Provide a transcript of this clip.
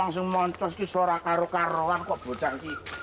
cus moncos suara karo karoan kok boceng sih